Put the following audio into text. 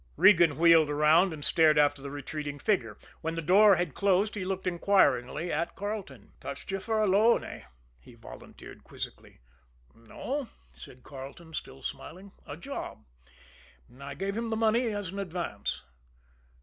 Regan wheeled around and stared after the retreating figure. When the door had closed he looked inquiringly at Carleton. "Touched you for a loan, eh?" he volunteered quizzically. "No," said Carleton, still smiling; "a job. I gave him the money as an advance."